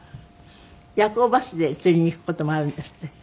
夜行バスで釣りに行く事もあるんですって？